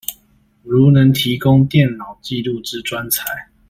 如能提供電腦紀錄之專才